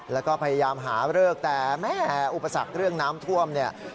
แล้วก็พยายามหาเลิกแต่แม่อุปสรรคเรื่องน้ำท่วมเนี่ย